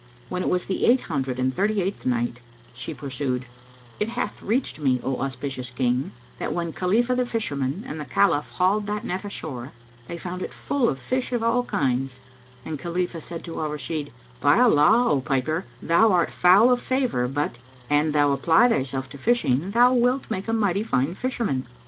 When it was the Eight Hundred and Thirty eighth Night, She pursued, It hath reached me, O auspicious King, that when Khalifah the Fisherman and the Caliph hauled that net ashore, they found it full of fish of all kinds; and Khalifah said to Al Rashid, "By Allah, O piper, thou art foul of favor but, an thou apply thyself to fishing, thou wilt make a mighty fine fisherman.